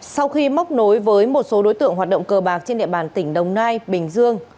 sau khi móc nối với một số đối tượng hoạt động cờ bạc trên địa bàn tỉnh đồng nai bình dương